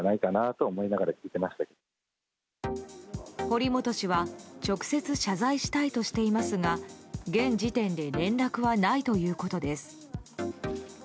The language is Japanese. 堀本氏は直接、謝罪したいとしていますが現時点で連絡はないということです。